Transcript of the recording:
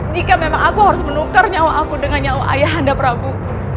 jika memang aku harus menukar nyawa aku dengan nyawa ayah anda prabu